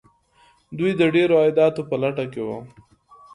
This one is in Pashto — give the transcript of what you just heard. دوی د ډیرو عایداتو په لټه کې وو.